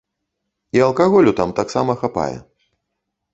І алкаголю там таксама хапае.